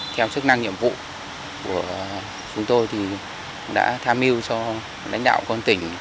theo sức năng nhiệm vụ của chúng tôi thì đã tham mưu cho đánh đạo con tỉnh